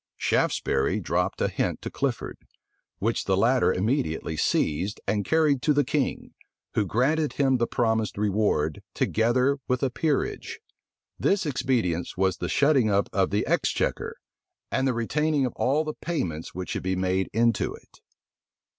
Shaftesbury dropped a hint to Clifford, which the latter immediately seized, and carried to the king, who granted him the promised reward, together with a peerage. This expedient was the shutting up of the exchequer and the retaining of all the payments which should be made into it.